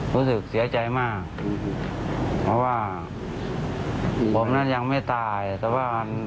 รู้สึกเสียใจมากเพราะว่าผมนั้นยังไม่ตายแต่ว่ามัน